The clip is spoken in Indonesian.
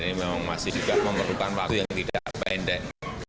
ini memang masih juga memerlukan waktu yang tidak pendek